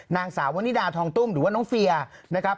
นางสาววนิดาทองตุ้มหรือว่าน้องเฟียร์นะครับ